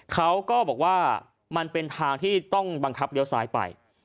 เขาก็บอกว่ามันเป็นทางที่ต้องบังคับเลี้ยวซ้ายไป